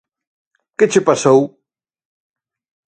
–¿Que che pasou?